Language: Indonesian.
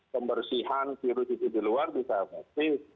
pembersihan virus itu di luar bisa efektif